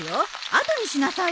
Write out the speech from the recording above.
後にしなさいよ。